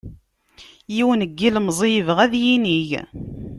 Yiwen n yilemẓi yebɣa ad yinig.